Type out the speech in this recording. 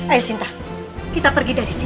ayo sinta kita pergi dari sini